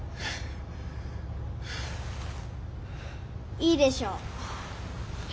いいでしょう。